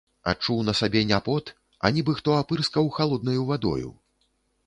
Адчуў на сабе не пот, а нібы хто апырскаў халоднаю вадою.